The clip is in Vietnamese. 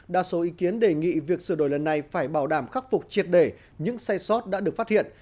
đa số ý kiến đề nghị việc sửa đổi lần này phải bảo đảm khắc phục triệt để những sai sót đã được phát hiện